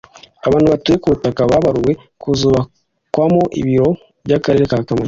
Abatuye ku butaka bwabaruwe kuzubakwamo ibiro by’akarere ka Kamonyi